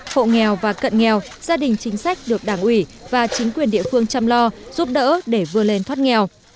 hộ nghèo và cận nghèo gia đình chính sách được đảng ủy và chính quyền địa phương chăm lo giúp đỡ để vừa lên thoát nghèo